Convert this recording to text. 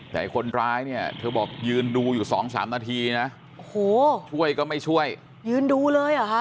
แต่คนร้ายเนี่ยเธอบอกยืนดูอยู่สองสามนาทีนะโอ้โหช่วยก็ไม่ช่วยยืนดูเลยเหรอคะ